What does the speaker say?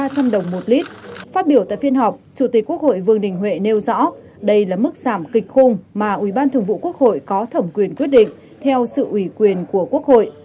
chủ tịch quốc hội vương đình huệ nêu rõ đây là mức giảm kịch khung mà ủy ban thường vụ quốc hội có thẩm quyền quyết định theo sự ủy quyền của quốc hội